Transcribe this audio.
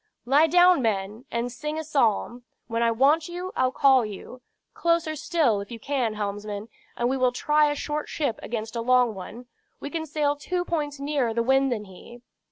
"Lie down, men, and sing a psalm. When I want you, I'll call you. Closer still, if you can, helmsman, and we will try a short ship against a long one. We can sail two points nearer the wind than he."